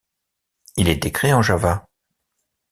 Il est écrit en Java.